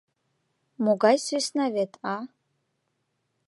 «Могай сӧсна вет, а!